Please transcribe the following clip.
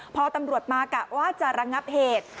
พอตำรวจมากะว่าจะระงับเหตุ